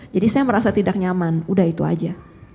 jadi saya merasa tidak nyaman udah itu aja